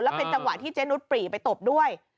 เป็นจังหวะที่เจนุสปรีไปตบด้วย